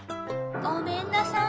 「ごめんなさい。